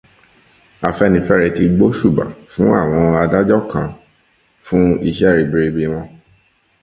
Afẹ́nifẹ́re ti gbóṣùbà fún àwọn Adájọ́ kan fún iṣẹ́ ribiribi wọn